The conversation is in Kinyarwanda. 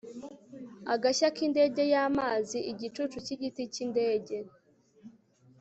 agashya k'indege y'amazi, igicucu cy'igiti cy'indege